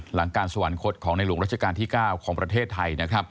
หลังการสวรรคตของในหลวงรัชกาลที่๙ของประเทศไทย